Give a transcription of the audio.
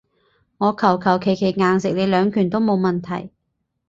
我求求其其硬食你兩拳都冇問題